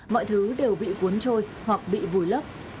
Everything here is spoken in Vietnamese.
mọi thứ đều bị cuốn trôi hoặc bị vùi lấp